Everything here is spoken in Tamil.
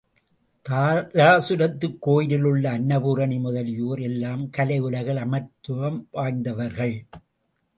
தாராசுரத்துக் கோயிலில் உள்ள அன்னபூரணி முதலியோர் எல்லாம் கலை உலகில் அமரத்வம் வாய்ந்தவர்கள்.